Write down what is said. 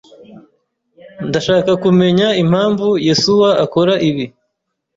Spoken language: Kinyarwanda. Ndashaka kumenya impamvu Yesuwa akora ibi.